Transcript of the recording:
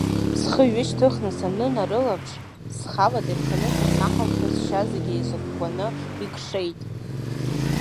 Схы ҩышьҭхны санынарылаԥш, схы алада ирханы сыкнаҳаушәа сшьа зегь еизыкәкәаны икшеит.